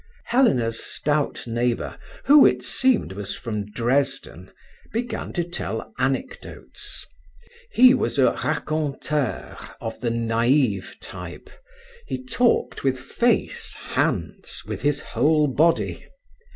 Helena's stout neighbour, who, it seemed, was from Dresden, began to tell anecdotes. He was a raconteur of the naïve type: he talked with face, hands, with his whole body.